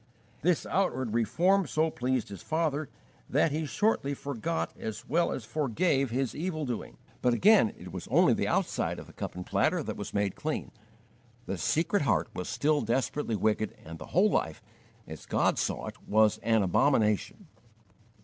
This outward reform so pleased his father that he shortly forgot as well as forgave his evil doing; but again it was only the outside of the cup and platter that was made clean: the secret heart was still desperately wicked and the whole life, as God saw it, was an abomination.